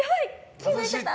気抜いてた！